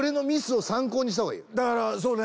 今のだからそうね